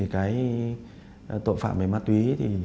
cái tội phạm má túy